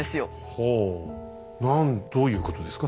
なにどういうことですか？